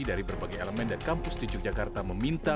dari berbagai elemen dan kampus di yogyakarta meminta